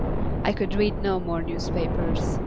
I could read no more newspapers.